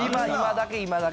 今だけ。